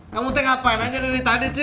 kamu teh ngapain aja dari tadi sih